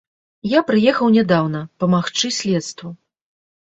Я прыехаў нядаўна, памагчы следству.